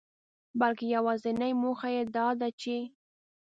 بلکي يوازنۍ موخه يې داده چي